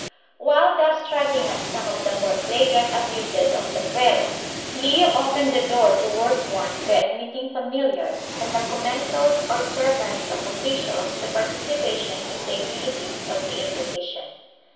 While thus striking at some of the more flagrant abuses of the fuero, Leo opened the door to worse ones by admitting familiars and the commensals or servants of officials to participation in the immunities of the Inquisition.